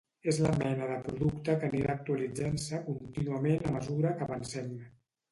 És la mena de producte que anirà actualitzant-se contínuament a mesura que avancem.